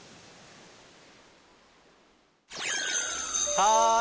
はい！